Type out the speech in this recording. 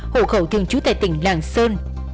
hậu khẩu thương trúng tại tỉnh lạc sơn